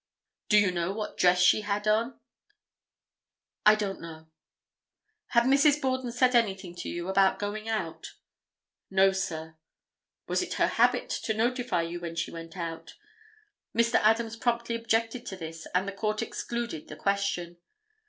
"Do you know what dress she had on?" "I don't know." "Had Mrs. Borden said anything to you about going out?" "No, sir." "Was it her habit to notify you when she went out?" Mr. Adams promptly objected to this and the Court excluded the question.